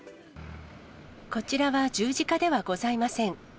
こちらは十字架ではございません。